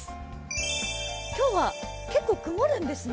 今日は結構曇るんですね。